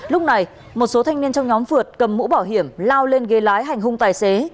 lúc này một số thanh niên trong nhóm phượt cầm mũ bảo hiểm lao lên ghế lái hành hung tài xế